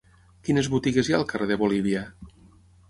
Quines botigues hi ha al carrer de Bolívia?